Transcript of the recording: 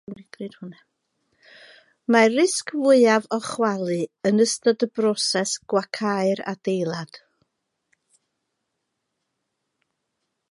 Mae'r risg fwyaf o chwalu yn ystod y broses gwacau'r adeilad.